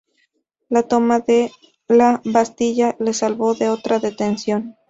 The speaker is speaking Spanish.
La toma de la Bastilla le salvó de otra detención.